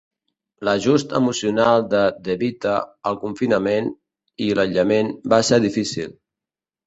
L'ajust emocional de DeVita al confinament i l'aïllament va ser difícil.